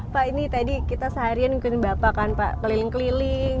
pak ini tadi kita seharian ikutin bapak kan pak keliling keliling